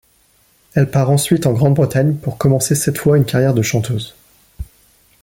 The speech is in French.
Elle part ensuite en Grande-Bretagne pour commencer cette fois une carrière de chanteuse.